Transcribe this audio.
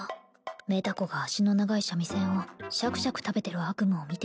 メタ子が足の長いシャミ先をシャクシャク食べてる悪夢を見て